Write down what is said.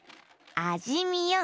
あじみよ！